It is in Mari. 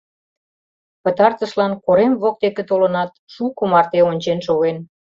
Пытартышлан, корем воктеке толынат, шуко марте ончен шоген.